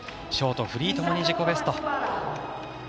ショート、フリーともに自己ベスト。